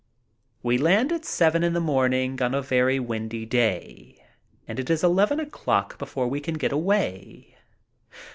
We land at seven in the morning of a very windy day, and it is eleven before we can get away.